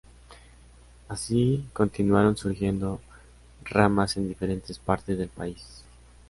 Así continuaron surgiendo ramas en diferentes partes del país.